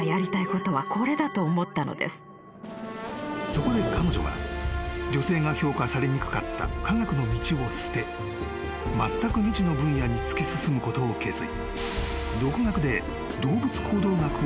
［そこで彼女は女性が評価されにくかった化学の道を捨てまったく未知の分野に突き進むことを決意］